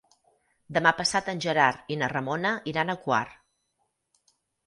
Demà passat en Gerard i na Ramona iran a Quart.